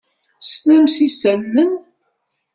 Teslam s yisallen?